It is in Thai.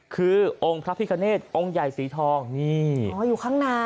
คือองค์พระพิคเนธองค์ใหญ่สีทองนี่อ๋ออยู่ข้างใน